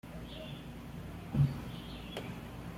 Además, cruzó el territorio de Bolivia y Chile.